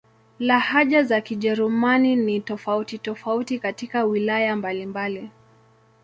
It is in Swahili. Lahaja za Kijerumani ni tofauti-tofauti katika wilaya mbalimbali.